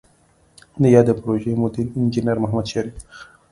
د یادې پروژې مدیر انجنیر محمد شریف